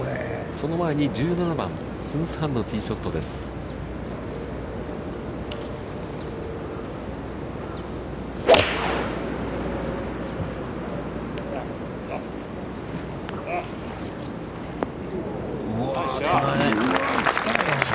その前に１７番、スンス・ハンのティーショットです。